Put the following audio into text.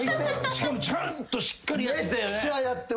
しかもちゃんとしっかりやってたよね。